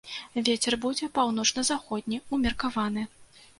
Вецер будзе паўночна-заходні, умеркаваны.